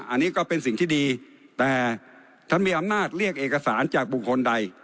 อันนี้ก็เป็นสิ่งที่ดีแต่ท่านมีอำนาจเรียกเอกสารจากบุคคลใด